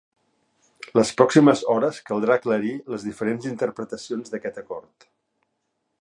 Les pròximes hores caldrà aclarir les diferents interpretacions d’aquest acord.